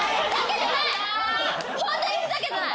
ホントにふざけてない。